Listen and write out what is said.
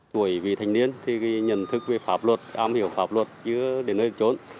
tuổi vì thanh niên thì nhận thức về pháp luật am hiểu pháp luật chứa đến nơi trốn